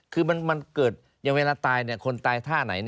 คือมันเกิดอย่างเวลาตายคนตายท่าไหน